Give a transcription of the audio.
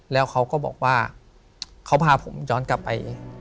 แล้วเขาก็บอกว่าเขาพาผมย้อนกลับไป